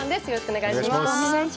よろしくお願いします。